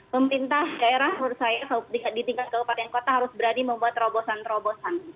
pemerintah daerah menurut saya di tingkat kabupaten kota harus berani membuat terobosan terobosan